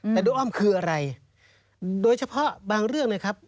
แต่ดูอ้อมคืออะไรโดยเฉพาะบางเรื่องนะครับ